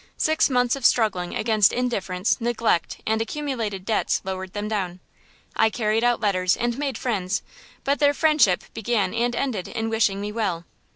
Six months of struggling against indifference, neglect and accumulated debts lowered them down! I carried out letters and made friends, but their friendship began and ended in wishing me well.